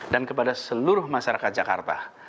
dan kepada seluruh masyarakat jakarta